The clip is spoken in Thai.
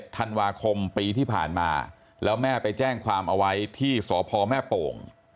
ธันวาคมปีที่ผ่านมาแล้วแม่ไปแจ้งความเอาไว้ที่สพแม่โป่ง